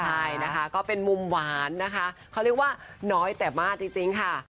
ใช่นะคะก็เป็นมุมหวานนะคะเขาเรียกว่าน้อยแต่มากจริงค่ะ